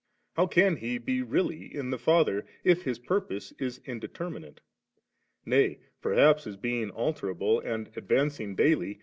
how can He be really in the Father, if His purpose is indeterminate? Nay, perhaps, as being alterable^ and advancing daily.